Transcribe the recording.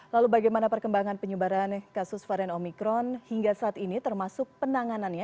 lalu bagaimana perkembangan penyebaran kasus varian omikron hingga saat ini termasuk penanganannya